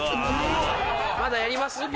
まだやります？